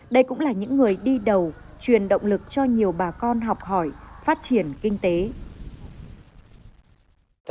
đây cũng là những người đi đầu truyền động lực cho nhiều bà con học hỏi phát triển kinh tế